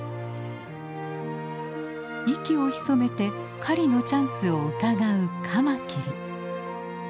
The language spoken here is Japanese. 息をひそめて狩りのチャンスをうかがうカマキリ。